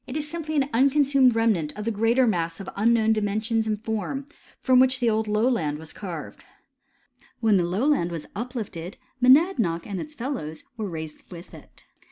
is simply an iinconsumed remnant of the greflter mass of un known dimensions and form, from which the old lowland was carved. When the lowland was uplifted, Monadnock and its fellows were raised with it.